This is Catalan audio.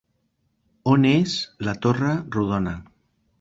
On és la torre rodona?